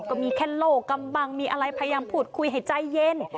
ก็มีแค่โลกกำบังมีอะไรพยายามพูดคุยให้ใจเย็น